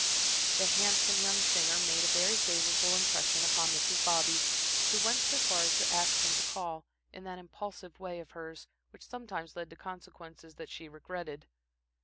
The handsome young singer made a very favorable impression upon Mrs. Bobby, who went so far as to ask him to call, in that impulsive way of hers, which sometimes led to consequences that she regretted.